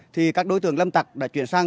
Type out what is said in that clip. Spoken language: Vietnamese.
thì các đối tượng lâm tặc đã chuyển sang